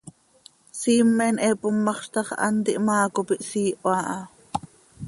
Siimen he pommaxz ta x, hant ihmaa cop ihsiiho aha.